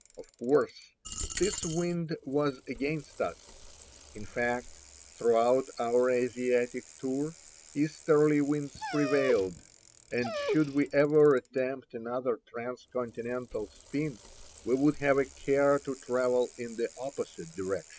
Of course this wind was against us. In fact, throughout our Asiatic tour easterly winds prevailed; and should we ever attempt another transcontinental spin we would have a care to travel in the opposite direction.